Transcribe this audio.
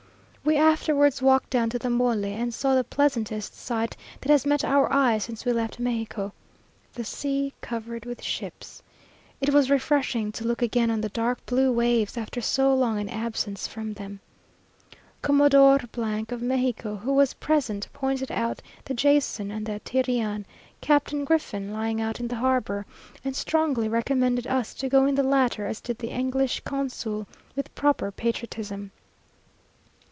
We afterwards walked down to the Mole, and saw the pleasantest sight that has met our eyes since we left Mexico the sea covered with ships. It was refreshing to look again on the dark blue waves, after so long an absence from them. Commodore , of Mexico, who was present, pointed out the Jason, and the Tyrian, Captain Griffin, lying out in the harbour, and strongly recommended us to go in the latter, as did the English consul, with proper patriotism.